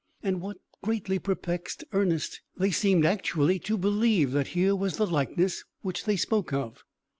And, what greatly perplexed Ernest, they seemed actually to believe that here was the likeness which they spoke of.